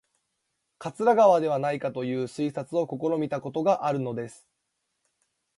桂川ではないかという推察を試みたことがあるのです